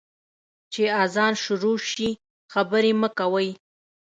چي اذان شروع سي، خبري مه کوئ.